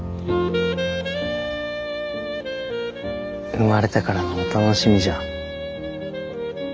生まれてからのお楽しみじゃ。